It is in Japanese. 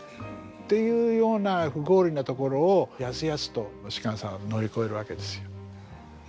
いうような不合理なところをやすやすと芝さんは乗り越えるわけですよ。